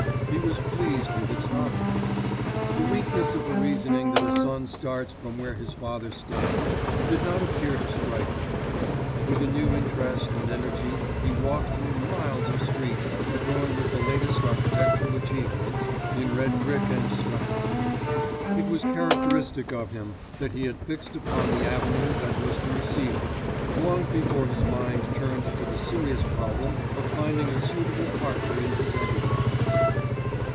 He was pleased with its novelty. The weakness of the reasoning that a son starts from where his father stands did not appear to strike him. With a new interest and energy he walked through miles of streets adorned with the latest architectural achievements in red brick and stucco. It was characteristic of him that he had fixed upon the avenue that was to receive him, long before his mind turned to the serious problem of finding a suitable partner in his enterprise.